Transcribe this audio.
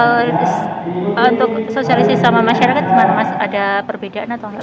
untuk sosialisasi sama masyarakat gimana mas ada perbedaan atau nggak